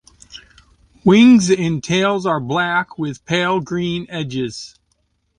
Wings and tails are black with pale green edges.